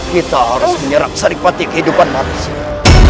kita harus menyerang sering pati kehidupan manusia